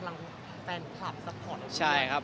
บ้านน้องแมวสรุปแพงกว่าบ้านผม